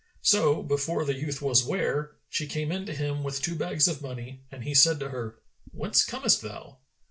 So, before the youth was ware, she came in to him with two bags of money and he said to her, "Whence comest thou?"